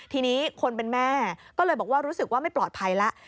ทีนี้คนเป็นแม่ก็เลยบอกว่ารู้สึกว่าไม่ปลอดภัยแล้ว